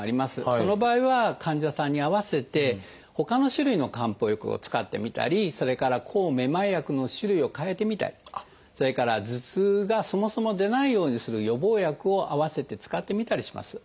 その場合は患者さんに合わせてほかの種類の漢方薬を使ってみたりそれから抗めまい薬の種類をかえてみたりそれから頭痛がそもそも出ないようにする予防薬を併せて使ってみたりします。